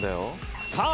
さあ